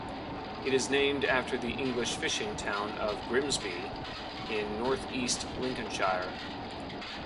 It is named after the English fishing town of Grimsby in North East Lincolnshire.